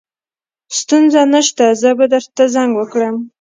ستونزه نشته زه به درته زنګ وکړم